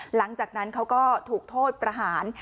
หลังจากนั้นเขาก็ถูกโทษประหาร